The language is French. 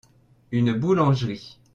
une boulangerie.